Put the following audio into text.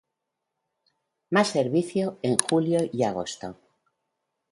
Más servicio en Julio y Agosto.